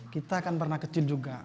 kita kan pernah kecil juga